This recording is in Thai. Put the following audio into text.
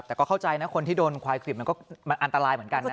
แต่ก็เข้าใจนะคนที่โดนควายคลิบมันก็มันอันตรายเหมือนกันนะ